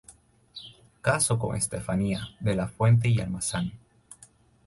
Casó con Estefanía de la Fuente y Almazán.